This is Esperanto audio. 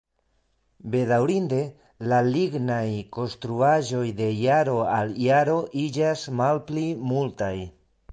Bedaŭrinde, la lignaj konstruaĵoj de jaro al jaro iĝas malpli multaj.